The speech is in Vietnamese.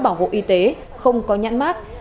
bảo hộ y tế không có nhãn mát